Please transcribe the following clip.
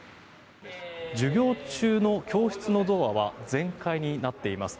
授業中の教室のドアは全開になっています。